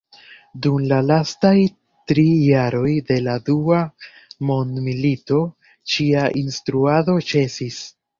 Dum la lastaj tri jaroj de la Dua mondmilito ĉia instruado ĉesis.